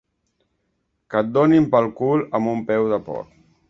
Que et donin pel cul amb un peu de porc.